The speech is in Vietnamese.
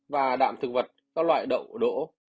và đạm thực vật các loại đậu đỗ